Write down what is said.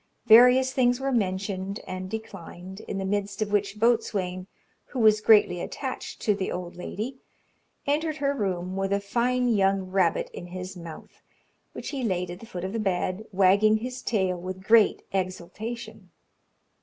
Various things were mentioned and declined, in the midst of which Boatswain, who was greatly attached to the old lady, entered her room with a fine young rabbit in his mouth, which he laid at the foot of the bed, wagging his tail with great exultation.